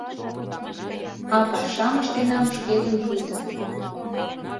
А пашам ыштенам шкетын пуйто.